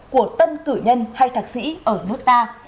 của tân cử nhân hay thạc sĩ ở nước ta